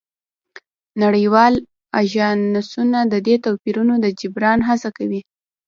نړیوال اژانسونه د دې توپیرونو د جبران هڅه کوي